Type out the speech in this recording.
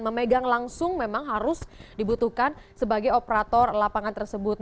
memegang langsung memang harus dibutuhkan sebagai operator lapangan tersebut